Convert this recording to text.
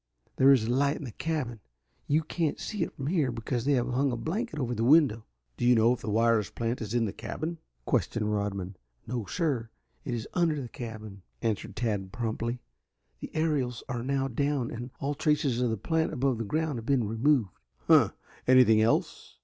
There is a light in the cabin. You can't see it from here because they have hung a blanket over the window." "Do you know if the wireless plant is in the cabin?" questioned Rodman. "No, sir, it is under the cabin," answered Tad promptly. "The aerials are now down and all traces of the plant above ground have been removed." "Huh! Anything else?"